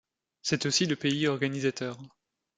C'est aussi le pays organisateur.